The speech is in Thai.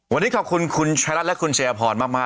วันนี้ขอบคุณคุณชายรัฐและคุณชายพรมาก